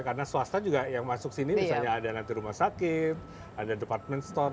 karena swasta juga yang masuk sini misalnya ada nanti rumah sakit ada department store